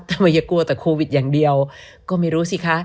อย่ากลัวแต่โควิดอย่างเดียวก็ไม่รู้สิคะ